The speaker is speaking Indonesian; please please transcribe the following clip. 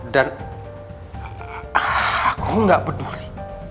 dan aku gak peduli